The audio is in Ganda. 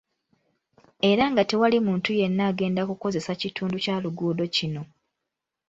Era nga tewali muntu yenna agenda kukozesa kitundu kya luguudo kino.